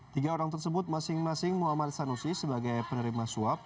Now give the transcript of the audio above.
tiga orang tersebut masing masing muhammad sanusi sebagai penerima suap